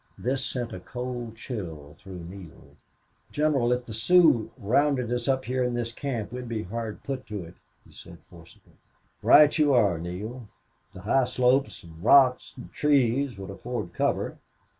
This sent a cold chill through Neale. "General, if the Sioux rounded us up here in this camp we'd be hard put to it," he said, forcibly. "Right you are, Neale. The high slopes, rocks, and trees would afford cover.